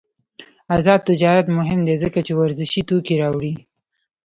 آزاد تجارت مهم دی ځکه چې ورزشي توکي راوړي.